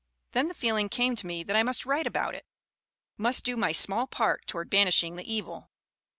Then the feeling came to me that I must write about it must do my small part toward banishing the evil."